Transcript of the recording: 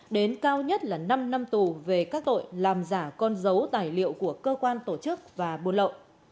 đến cao nhất là năm năm tù về các tội làm giả con dấu tài liệu của cơ quan tổ chức và buôn lậu